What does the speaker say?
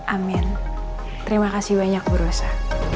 amin terima kasih banyak bu rosa